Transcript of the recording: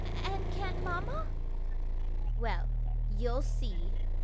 and can't mamma?" "Well, you'll see!"